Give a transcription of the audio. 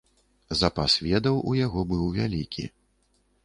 Запас ведаў у яго быў вялікі.